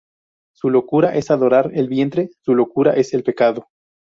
Su locura es adorar el vientre, su locura es el pecado.